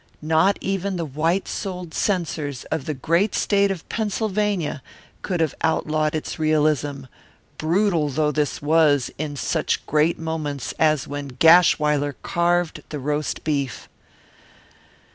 Not even the white souled censors of the great state of Pennsylvania could have outlawed its realism, brutal though this was in such great moments as when Gashwiler carved the roast beef.